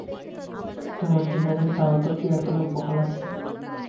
তোমার ডিনারের দাওয়াতটা কি এখনো বহাল আছে?